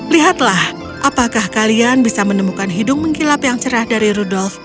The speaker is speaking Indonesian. lihatlah apakah kalian bisa menemukan hidung mengkilap yang cerah dari rudolf